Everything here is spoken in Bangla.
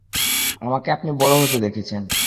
আমাকে আপনি বড়ো হতে দেখেছেন।